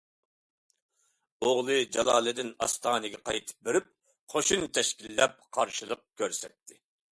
ئوغلى جالالىدىن ئاستانىگە قايتىپ بېرىپ، قوشۇن تەشكىللەپ قارشىلىق كۆرسەتتى.